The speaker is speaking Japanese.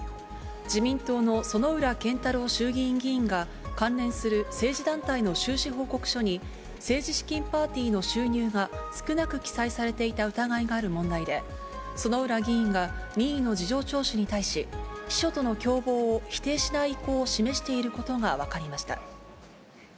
自民党の薗浦健太郎衆議院議員が、関連する政治団体の収支報告書に、政治資金パーティーの収入が少なく記載されていた疑いがある問題で、薗浦議員が、任意の事情聴取に対し、秘書との共謀を否定しない意向を示していることが分かりました。